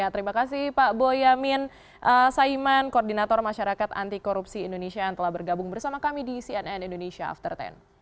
terima kasih pak boyamin saiman koordinator masyarakat anti korupsi indonesia yang telah bergabung bersama kami di cnn indonesia after sepuluh